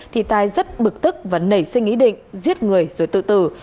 thì tài rất bực tức và nảy sinh ý định giết người rồi tự tử